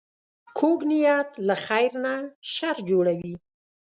کوږ نیت له خیر نه شر جوړوي